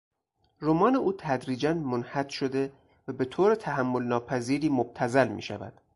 رمان اوتدریجا منحط شده و به طور تحملناپذیری مبتذل میشود.